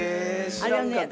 あれをね。